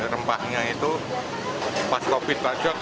rempahnya itu pas covid sembilan belas saja